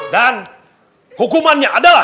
dan hukumannya adalah